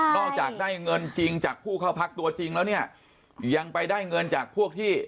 จากได้เงินจริงจากผู้เข้าพักตัวจริงแล้วเนี่ยยังไปได้เงินจากพวกที่